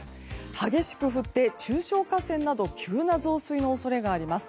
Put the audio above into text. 激しく降って中小河川など急な増水の恐れがあります。